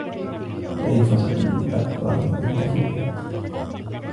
هذه فرصة أكبر من أن تفوّت.